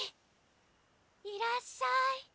いらっしゃい。